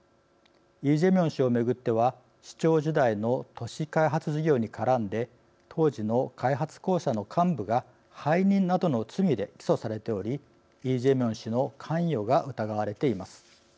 イ・ジェミョン氏をめぐっては市長時代の都市開発事業に絡んで当時の開発公社の幹部が背任などの罪で起訴されておりイ・ジェミョン氏の関与が疑われています。